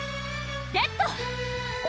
レッド！